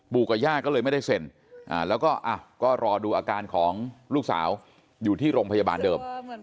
กับย่าก็เลยไม่ได้เซ็นแล้วก็รอดูอาการของลูกสาวอยู่ที่โรงพยาบาลเดิม